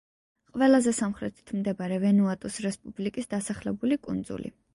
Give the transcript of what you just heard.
ყველაზე სამხრეთით მდებარე ვანუატუს რესპუბლიკის დასახლებული კუნძული.